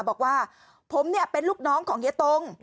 บอกว่าผมเนี่ยเป็นลูกน้องของเย้ตรง